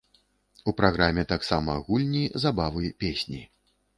У праграме таксама гульні, забавы, песні.